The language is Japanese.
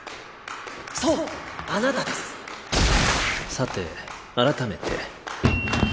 さて改めて。